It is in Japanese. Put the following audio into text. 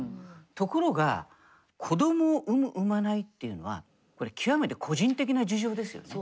ところが子どもを産む産まないっていうのはこれ極めて個人的な事情ですよね。